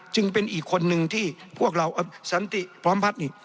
เป็นอีกคนนึงที่พวกเราสันติพร้อมพัฒน์นี่